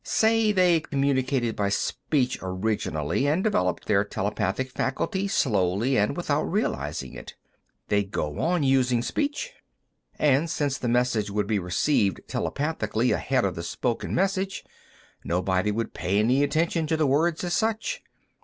"Say they communicated by speech originally, and developed their telepathic faculty slowly and without realizing it. They'd go on using speech, and since the message would be received telepathically ahead of the spoken message, nobody would pay any attention to the words as such.